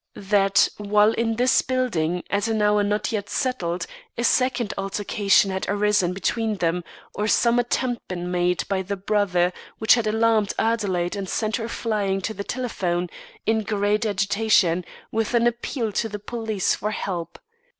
That, while in this building, at an hour not yet settled, a second altercation had arisen between them, or some attempt been made by the brother which had alarmed Adelaide and sent her flying to the telephone, in great agitation, with an appeal to the police for help.